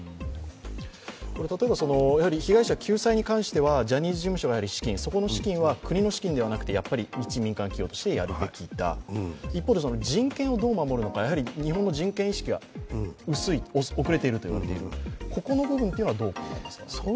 例えば被害者救済に関してはジャニーズ事務所の資金、そこの資金は国の資金ではなくて、一民間企業としてやるべきだ、一方で人権をどう守るのか、日本の人権意識は薄い、遅れているといわれている、ここの部分はどう考えますか？